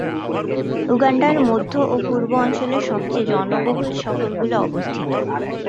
উগান্ডার মধ্য ও পূর্ব অঞ্চলে সবচেয়ে জনবহুল শহরগুলো অবস্থিত।